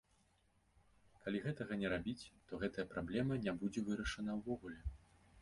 Калі гэтага не рабіць, то гэтая праблемы не будзе вырашана ўвогуле.